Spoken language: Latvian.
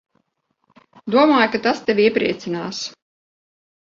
Domāju, ka tas tevi iepriecinās.